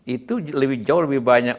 itu jauh lebih banyak